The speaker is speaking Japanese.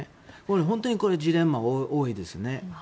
本当にジレンマは多いですね。